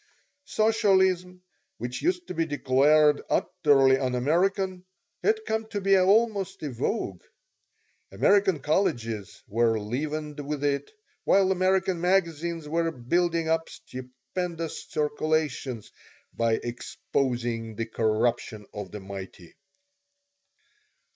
Socialism, which used to be declared utterly un American, had come to be almost a vogue. American colleges were leavened with it, while American magazines were building up stupendous circulations by exposing the corruption of the mighty.